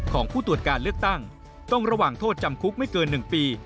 ของผู้ตรวจการเลือกตั้งต้องระหว่างโทษจำคุกไม่เกิน๑ปี